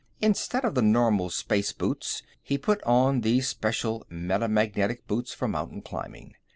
Instead of the normal space boots, he put on the special metamagnetic boots for mountain climbing.